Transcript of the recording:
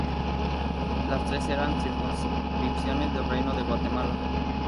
Las tres eran circunscripciones del Reino de Guatemala.